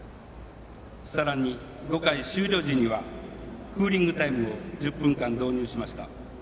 さらに５回終了時にはクーリングタイムを１０分間導入しました。